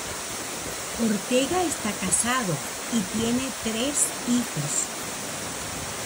Ortega está casado y tiene tres hijos.